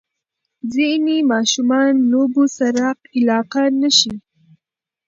ځینې ماشومان لوبو سره علاقه نه ښیي.